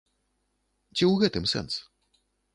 Ці ў гэтым сэнс?